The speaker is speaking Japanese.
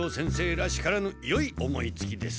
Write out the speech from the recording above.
らしからぬよい思いつきです。